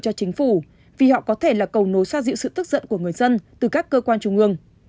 cho chính phủ vì họ có thể là cầu nối xoa dịu sự tức giận của người dân từ các cơ quan trung ương